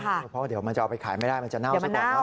เพราะเดี๋ยวมันจะเอาไปขายไม่ได้มันจะเน่าไปก่อนเนอ